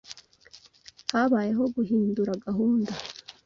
Habayeho guhindura gahunda.